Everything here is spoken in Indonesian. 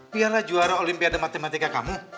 biarlah juara olimpiade matematika kamu